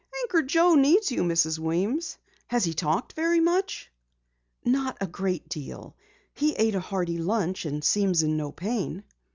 "Anchor Joe needs you, Mrs. Weems. Has he talked very much?" "Not a great deal. He ate a hearty lunch and seems in no pain."